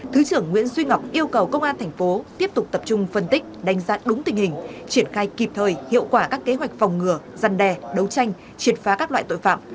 thứ trưởng nguyễn duy ngọc yêu cầu công an thành phố tiếp tục tập trung phân tích đánh giá đúng tình hình triển khai kịp thời hiệu quả các kế hoạch phòng ngừa gian đe đấu tranh triệt phá các loại tội phạm